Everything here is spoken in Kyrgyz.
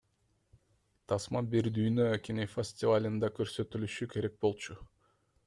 Тасма Бир Дүйнө кинофестивалында көрсөтүлүшү керек болчу.